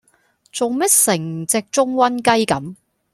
做咩成隻舂瘟雞咁